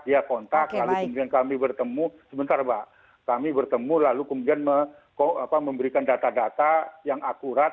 dia kontak lalu kemudian kami bertemu sebentar pak kami bertemu lalu kemudian memberikan data data yang akurat